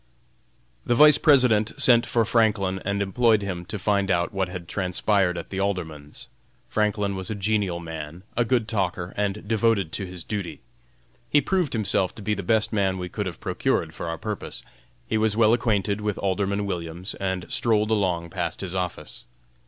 The Vice President sent for Franklin, and employed him to find out what had transpired at the Alderman's. Franklin was a genial man, a good talker, and devoted to his duty. He proved himself to be the best man we could have procured for our purpose. He was well acquainted with Alderman Williams, and strolled along past his office.